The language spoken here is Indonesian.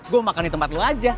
gue makan di tempat lo aja